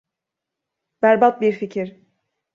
Berbat bir fikir.